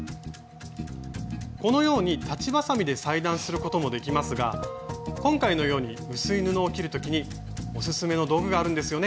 このように裁ちばさみで裁断することもできますが今回のように薄い布を切る時にオススメの道具があるんですよね